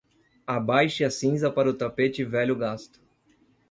Abaixe a cinza para o tapete velho gasto.